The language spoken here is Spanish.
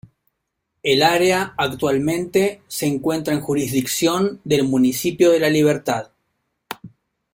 El área actualmente se encuentra en jurisdicción del municipio de La Libertad.